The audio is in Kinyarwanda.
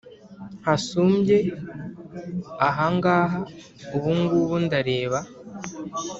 Hasumbye ahangaha Ubu ngubu ndareba